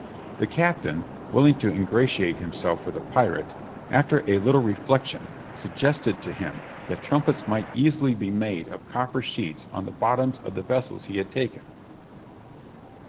The captain, willing to ingratiate himself with the pirate, after a little reflection, suggested to him, that trumpets might easily be made of copper sheets on the bottoms of the vessels he had taken.